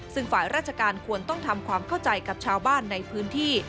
ซึ่งฝ่ายราชการควรต้องทำความเข้าใจกับชาวบ้านในพื้นที่